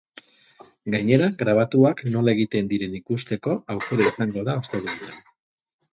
Gainera, grabatuak nola egiten diren ikusteko aukera izango da ostegunetan.